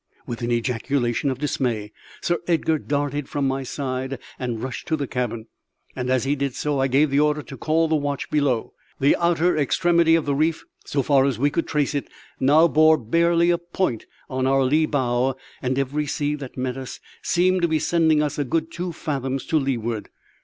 With an ejaculation of dismay Sir Edgar darted from my side and rushed to the cabin; and as he did so I gave the order to call the watch below. The outer extremity of the reef so far as we could trace it now bore barely a point on our lee bow; and every sea that met us seemed to be sending us a good two fathoms to leeward.